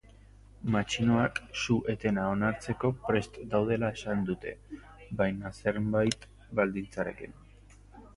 Matxinoak su-etena onartzeko prest daudela esan dute, baina zenbait baldintzarekin.